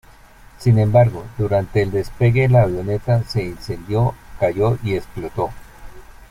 Sin embargo, durante el despegue la avioneta se incendió, cayó y explotó.